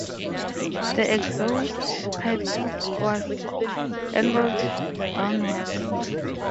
The exhaust pipe was angled downwards.